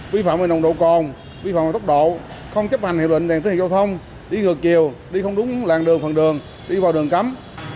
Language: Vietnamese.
vi phạm về nồng độ còn vi phạm về tốc độ không chấp hành hiệu luyện dành tới hành vi giao thông đi ngược chiều đi không đúng làng đường phần đường đi vào đường cắm